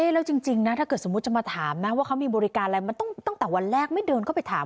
แล้วจริงนะถ้าเกิดสมมุติจะมาถามนะว่าเขามีบริการอะไรมันต้องตั้งแต่วันแรกไม่เดินเข้าไปถาม